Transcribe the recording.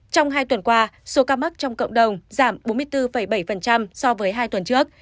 trong hai tuần qua số ca mắc trong cộng đồng giảm bốn mươi bốn bảy so với hai tuần trước